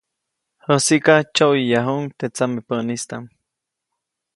Jäsiʼka, tsyoʼyäyajuʼuŋ teʼ tsamepäʼistam.